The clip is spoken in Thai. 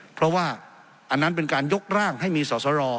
เพราะว่าอันนั้นเป็นการยกร่างให้มีสอสร